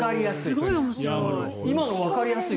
わかりやすい。